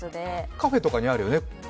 カフェとかにあるよね。